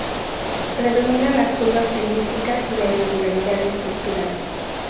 Predominan las curvas elípticas y la irregularidad estructural.